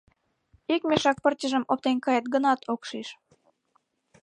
Ик мешак пырчыжым оптен кает гынат, ок шиж.